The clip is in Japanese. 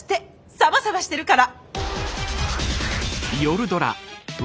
サバサバしてるから！